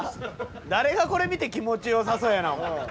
誰がこれ見て気持ちよさそうやな思うん？